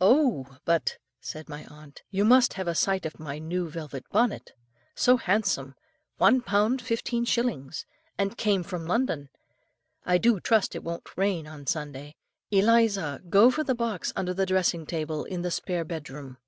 "'Oh! but,' said my aunt, 'you must have a sight of my new velvet bonnet, so handsome, one pound fifteen shillings, and came from London. I do trust it won't rain on Sunday. Eliza, go for the box under the dressing table in the spare bedroom.